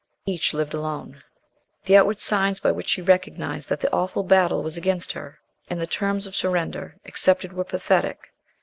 Each lived alone. The outward signs by which she recognized that the awful battle was against her and the terms of surrender accepted were pathetic.